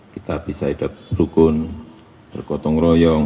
kita bisa hidup rukun bergotong royong